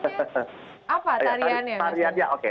oke tariannya apa